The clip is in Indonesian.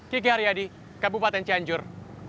kiki haryadi kabupaten cianjur